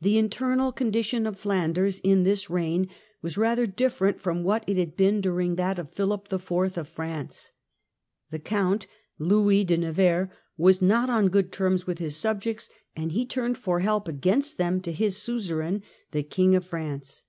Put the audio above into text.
The internal condition of Flanders in this reign was rather different from what it had been during that of Philip IV. of France. The Count, Louis de Nevers, was not on good terms with his subjects, and he turned for help against them to his suzerain the King of France.